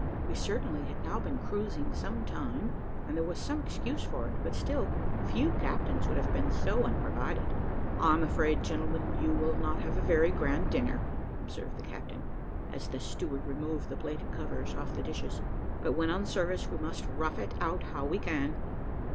We certainly had now been cruising some time, and there was some excuse for it; but still, few captains would have been so unprovided. "I'm afraid, gentlemen, you will not have a very grand dinner," observed the captain, as the steward removed the plated covers off the dishes; "but when on service we must rough it out how we can.